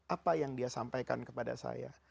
apa yang dia sampaikan kepada saya